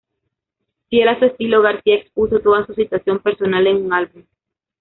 Fiel a su estilo, García expuso toda su situación personal en un álbum.